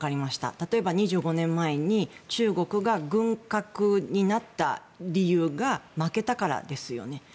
例えば２５年前に中国が軍拡になった理由が負けたからですよね。